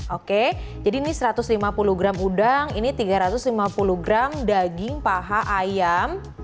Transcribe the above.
oke jadi ini satu ratus lima puluh gram udang ini tiga ratus lima puluh gram daging paha ayam